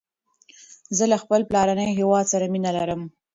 زه له خپل پلارنی هیواد سره مینه لرم